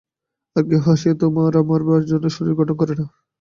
আর কেহ আসিয়া তোমার আমার জন্য শরীর গঠন করে না।